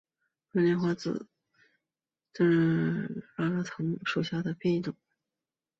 白花蓬子菜为茜草科拉拉藤属下的一个变种。